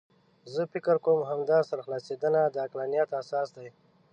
زه فکر کوم همدا سرخلاصېدنه د عقلانیت اساس دی.